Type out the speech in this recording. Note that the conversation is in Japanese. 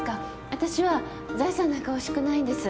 わたしは財産なんか欲しくないんです。